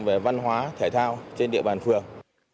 về văn hóa thể thao trên địa bàn phường